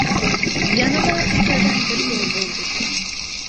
يەنىلا ئۈچ ئادەم بىر يول بولدۇق.